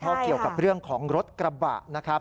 เพราะเกี่ยวกับเรื่องของรถกระบะนะครับ